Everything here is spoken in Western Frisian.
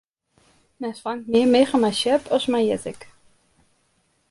Men fangt mear miggen mei sjerp as mei jittik.